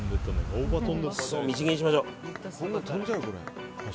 シソをみじん切りにしましょう。